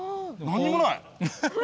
何にもない！